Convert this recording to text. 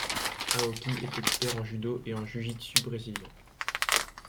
Aoki est expert en judo et en jiu-jitsu brésilien.